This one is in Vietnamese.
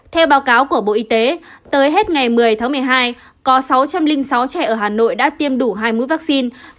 theo báo cáo của bộ y tế tới hết ngày một mươi tháng một mươi hai có sáu trăm linh sáu trẻ ở hà nội đã tiêm đủ hai mũi vaccine